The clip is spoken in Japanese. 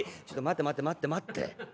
「ちょっと待って待って待って待って。